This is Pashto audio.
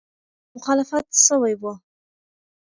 مخالفت سوی وو.